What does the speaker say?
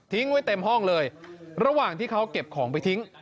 ไว้เต็มห้องเลยระหว่างที่เขาเก็บของไปทิ้ง